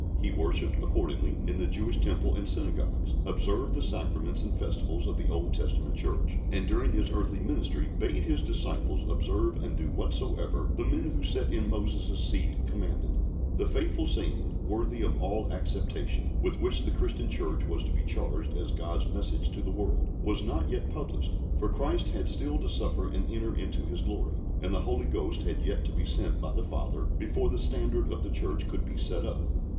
He worshipped, accordingly, in the Jewish temple and synagogues, observed the sacraments and festivals of the Old Testament Church, and during His earthly ministry bade His disciples observe and do whatsoever the men who sat in Moses' seat commanded. "The faithful saying, worthy of all acceptation," with which the Christian Church was to be charged as God's message to the world, was not yet published, for Christ had still to suffer and enter into His glory, and the Holy Ghost had yet to be sent by the Father before the standard of the Church could be set up.